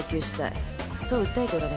そう訴えておられます。